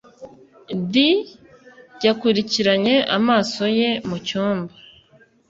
di yakurikiranye amaso ye mu cyumba